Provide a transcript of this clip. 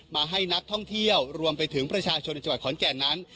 มาให้นักท่องเที่ยวรวมไปถึงประชาชนในจังหวัดขอนแก่นนั้น